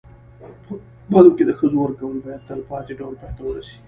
په بدو کي د ښځو ورکول باید تلپاتي ډول پای ته ورسېږي.